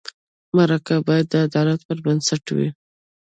مرکه باید د عدالت پر بنسټ وي.